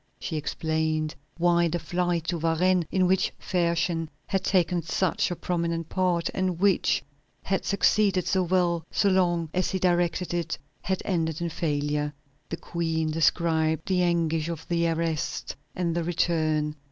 She explained why the flight to Varennes, in which Fersen had taken such a prominent part, and which had succeeded so well so long as he directed it, had ended in failure. The Queen described the anguish of the arrest and the return.